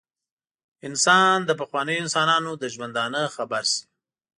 انسان د پخوانیو انسانانو له ژوندانه خبر شي.